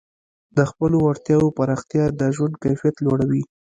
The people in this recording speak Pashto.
د خپلو وړتیاوو پراختیا د ژوند کیفیت لوړوي.